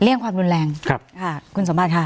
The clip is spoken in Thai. เลี่ยงความรุนแรงคุณสมบัติค่ะ